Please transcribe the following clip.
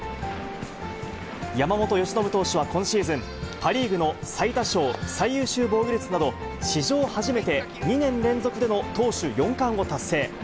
山本由伸投手は今シーズン、パ・リーグの最多勝、最優秀防御率など、史上初めて２年連続での投手４冠を達成。